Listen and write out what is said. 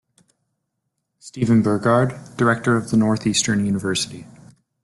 Stephen Burgard, director of the Northeastern Univ.